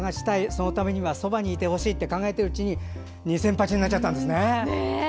そのためにはそばにいてほしいって考えているうちに２０００鉢になっちゃったんですね。